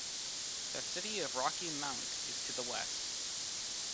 The city of Rocky Mount is to the west.